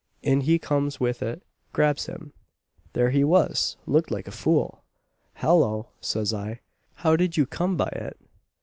In he comes with it grabs him! There he was looked like a fool. 'Hallo!' says I, 'how did you come by it?'